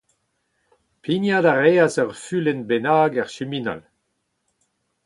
Pignat a reas ur fulenn bennak er siminal.